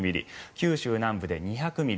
九州南部で２００ミリ